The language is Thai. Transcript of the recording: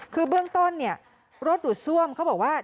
คือเบื้องต้นเนี่ยรถดูดซ่วมเขาบอกว่า